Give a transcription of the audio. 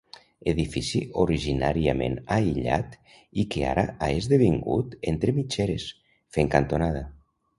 Edifici originàriament aïllat i que ara ha esdevingut entre mitgeres, fent cantonada.